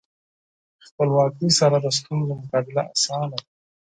خپلواکۍ سره د ستونزو مقابله اسانه ده.